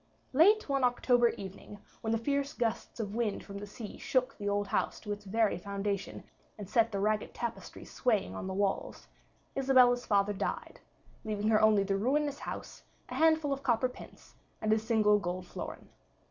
Late one October evening, when the fierce gusts of wind from the sea shook the old house to its very foundation and set the ragged tapestries swaying on the walls, Isabella's father died, leaving her only the ruinous house, a handful of copper pence, and a single golden florin.